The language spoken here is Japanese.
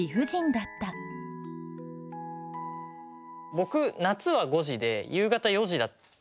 僕夏は５時で夕方４時だったんですよ。